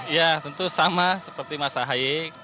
ya tentu sama seperti mas ahaye